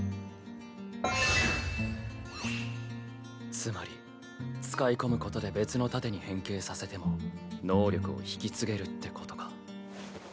つまり使い込むことで別の盾に変形させても能力を引き継げるってことか。